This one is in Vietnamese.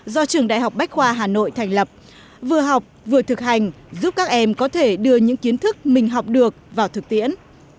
do trường đại học bách khoa hà nội thành lập vừa học vừa thực hành giúp các em có thể đưa những kiến thức mình học được vào thực tiễn